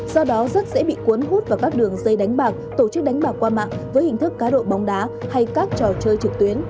do đó rất dễ bị cuốn hút vào các đường dây đánh bạc tổ chức đánh bạc qua mạng với hình thức cá độ bóng đá hay các trò chơi trực tuyến